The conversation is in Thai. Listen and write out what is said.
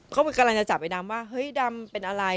เขากำลังจะจับไอดำว่าเฮ้ยดำเป็นอะไร